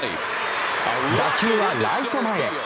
打球はライト前へ。